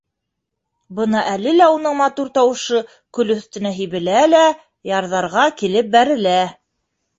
Бына әле лә уның матур тауышы күл өҫтөнә һибелә лә ярҙарға килеп бәрелә.